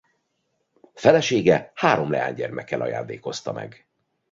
Felesége három lánygyermekkel ajándékozta meg.